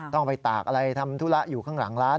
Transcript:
ต้องไปตากอะไรทำธุระอยู่ข้างหลังร้าน